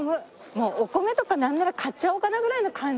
もうお米とかなんなら買っちゃおうかなぐらいの感じよ